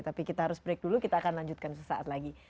tapi kita harus break dulu kita akan lanjutkan sesaat lagi